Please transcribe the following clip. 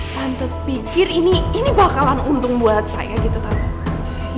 tante pikir ini bakalan untung buat saya gitu tante